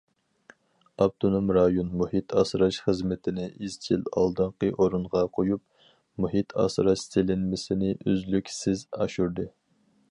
ئاپتونوم رايون مۇھىت ئاسراش خىزمىتىنى ئىزچىل ئالدىنقى ئورۇنغا قويۇپ، مۇھىت ئاسراش سېلىنمىسىنى ئۈزلۈكسىز ئاشۇردى.